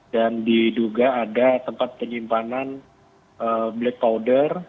dan diduga ada tempat penyimpanan black powder